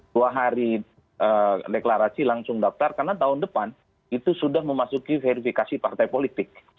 dua hari deklarasi langsung daftar karena tahun depan itu sudah memasuki verifikasi partai politik